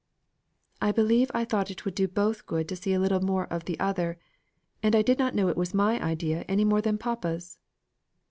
"I believe I thought it would do both good to see a little more of the other, I did not know it was my idea any more than papa's."